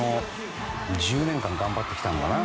１０年間頑張ってきたんだよね。